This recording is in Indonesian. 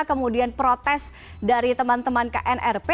kemudian protes dari teman teman knrp